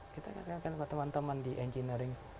kita kadang kadang teman teman di engineering